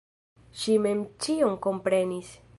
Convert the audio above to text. Ŝi mem ĉion komprenis.